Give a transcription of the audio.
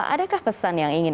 adakah pesan yang ingin